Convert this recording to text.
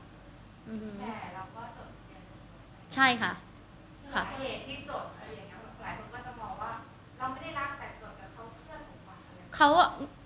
หากเหตุที่จดหลายคนก็จะบอกว่าเราไม่ได้รักแต่จดกับเขาเพื่อสมบัติอะไร